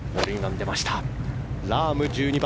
ラーム、１２番。